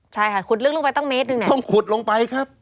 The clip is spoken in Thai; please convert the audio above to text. ใช่ค่ะขุดลึกลงไปตั้งเมตรหนึ่งเนี่ยต้องขุดลงไปครับ